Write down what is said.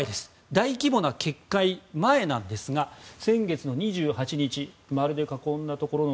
大規模な決壊前なんですが先月の２８日丸で囲んだところの